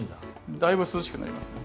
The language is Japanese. だいぶ涼しくなりますね。